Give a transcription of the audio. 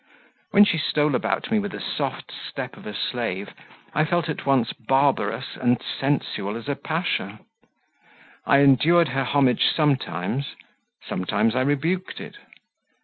When she stole about me with the soft step of a slave, I felt at once barbarous and sensual as a pasha. I endured her homage sometimes; sometimes I rebuked it.